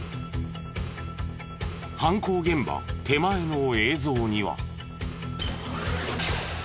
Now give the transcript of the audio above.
犯行現場手前の映像には。